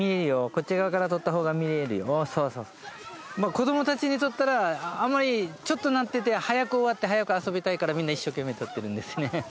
子どもたちにとったらあんまりちょっとなっていて早く終わって早く遊びたいからみんな一生懸命取っているんですね。